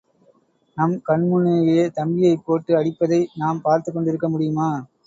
நம் கண்முன்னேயே தம்பியைப் போட்டு அடிப்பதை நாம் பார்த்துக் கொண்டிருக்க முடியுமா?